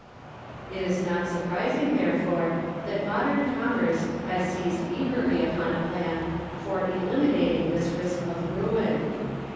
It is not siu prising, therefore, that modern commerce has seized eagerly upon a plan for eliminating this risk of ruin.